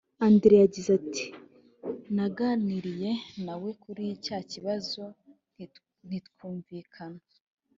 andre yagize ati naganiriye na we kuri cya kibazo ntitwumvikana